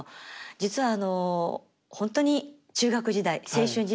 実は本当に中学時代青春時代ですね